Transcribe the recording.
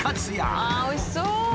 ああおいしそう！